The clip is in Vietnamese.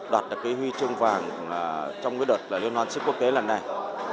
đạt được cái huy chương vàng trong cái đợt liên hoan xếp quốc tế lần này